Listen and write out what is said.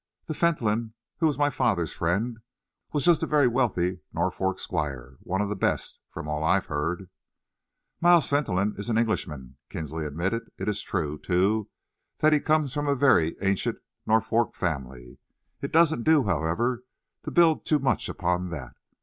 "The Fentolin who was my father's friend was just a very wealthy Norfolk squire one of the best, from all I have heard." "Miles Fentolin is an Englishman," Kinsley admitted. "It is true, too, that he comes of a very ancient Norfolk family. It doesn't do, however, to build too much upon that.